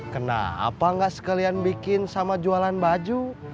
kenapa nggak sekalian bikin sama jualan baju